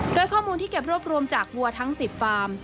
โดยข้อมูลที่เก็บรวบรวมจากวัวทั้ง๑๐ฟาร์ม